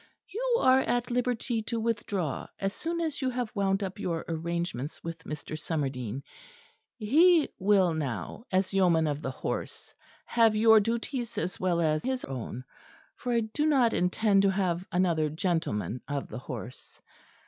You are at liberty to withdraw as soon as you have wound up your arrangements with Mr. Somerdine; he will now, as Yeoman of the Horse, have your duties as well as his own; for I do not intend to have another Gentleman of the Horse.